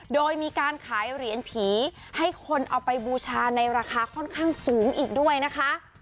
โดยมีการขายเหรียญผีให้คนเอาไปบูชาในราคาค่อนข้างสูงอีกด้วยนะคะ